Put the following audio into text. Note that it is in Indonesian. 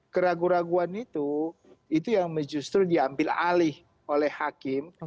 keraguan keraguan itu itu yang justru diambil alih oleh hakim